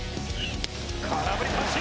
空振り三振！